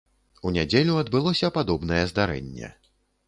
У нядзелю адбылося падобнае здарэнне.